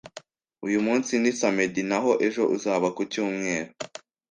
Uyu munsi ni samedi naho ejo uzaba ku cyumweru.